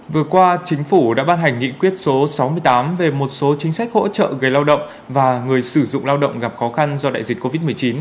vừa qua chính phủ đã ban hành nghị quyết số sáu mươi tám về một số chính sách hỗ trợ người lao động và người sử dụng lao động gặp khó khăn do đại dịch covid một mươi chín